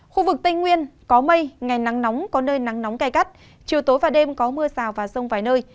khu vực tây nguyên có mây ngày nắng nóng có nơi nắng nóng cay cắt chiều tối và đêm có mưa sào và sông vài nơi